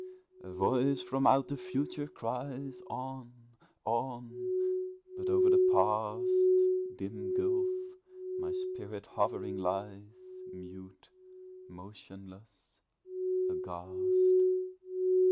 A voice from out the future cries, "On! on!" but o'er the Past (Dim gulf!) my spirit hovering lies Mute, motionless, aghast!